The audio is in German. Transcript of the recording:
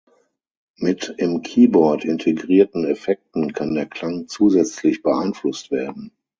Mit im Keyboard integrierten Effekten kann der Klang zusätzlich beeinflusst werden.